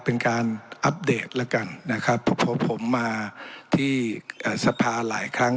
เป็นการอัปเดตแล้วกันนะครับเพราะผมมาที่สภาหลายครั้ง